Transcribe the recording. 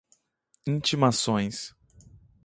intimações